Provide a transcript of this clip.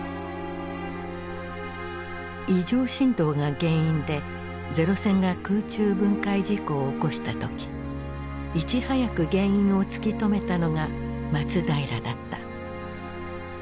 異常振動が原因で零戦が空中分解事故を起こした時いち早く原因を突き止めたのが松平だった。